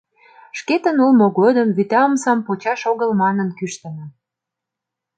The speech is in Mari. Шкетын улмо годым вӱта омсам почаш огыл манын кӱштымӧ.